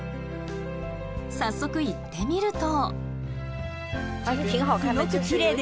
早速、行ってみると。